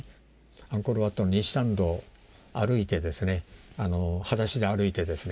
アンコール・ワットの西参道はだしで歩いてですね